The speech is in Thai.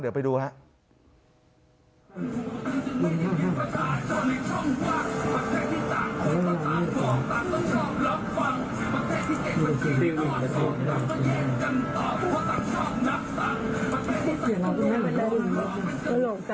เดี๋ยวไปดูครับ